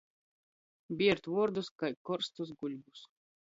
Biert vuordus kai korstus guļbus.